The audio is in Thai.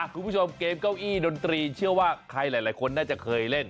คุณผู้ชมเกมเก้าอี้ดนตรีเชื่อว่าใครหลายคนน่าจะเคยเล่น